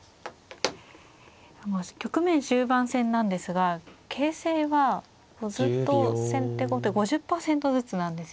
局面終盤戦なんですが形勢はずっと先手後手５０％ずつなんですよね。